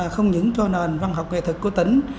không những cho nền văn học nghệ thực của tỉnh